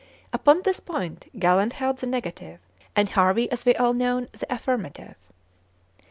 Upon this point Galen held the negative, and Harvey, as we all know, the affirmative.